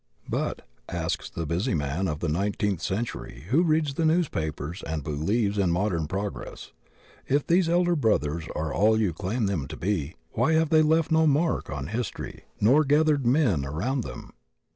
But, asks the busy man of the nineteenth century who reads the newspapers and believes in "modem progress," if these elder brothers are all you claim them to be, why have they left no mark on history INITIATES MAKING HISTORY 5 nor gathered men around them?